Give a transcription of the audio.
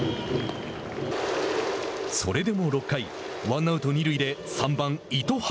それでも６回ワンアウト、二塁で３番糸原。